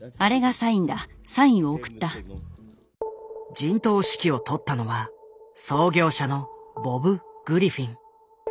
陣頭指揮を執ったのは創業者のボブ・グリフィン。